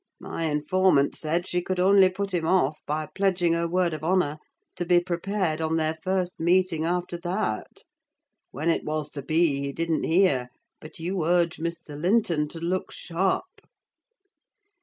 My informant said she could only put him off by pledging her word of honour to be prepared on their first meeting after that: when it was to be he didn't hear; but you urge Mr. Linton to look sharp!"